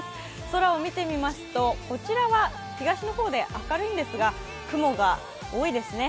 空を見てみますとこちらは東の方で明るいんですが、雲が多いですね。